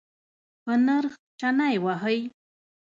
په نرخ چنی وهئ؟